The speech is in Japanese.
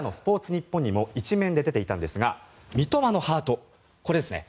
ニッポンにも１面で出ていたんですが三苫のハート、これですね